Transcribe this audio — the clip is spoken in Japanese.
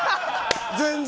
全然。